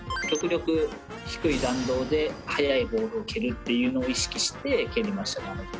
極力低い弾道で速いボールを蹴るっていうのを意識して蹴りましたね